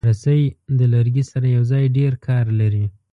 رسۍ د لرګي سره یوځای ډېر کار لري.